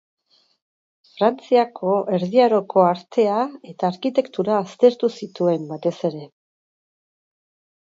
Frantziako Erdi Aroko artea eta arkitektura aztertu zituen, batez ere.